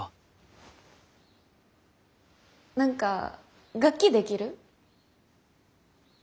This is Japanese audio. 何か楽器できる？